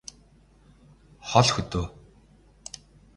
хол хөдөө